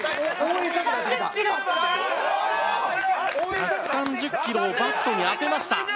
１３０キロをバットに当てました。